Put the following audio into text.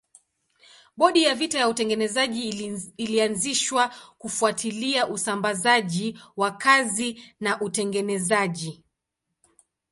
Bodi ya vita ya utengenezaji ilianzishwa kufuatilia usambazaji wa kazi na utengenezaji.